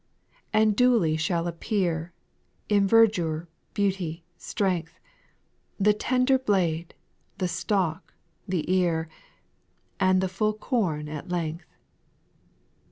And duly shall appear, In verdure, beauty, strength, The tender blade, the stalk, the ear, And the full corn at length.